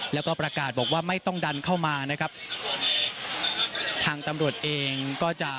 แล้วก็ประกาศบอกว่าไม่ต้องดันเข้ามานะครับทางตำรวจเองก็จะ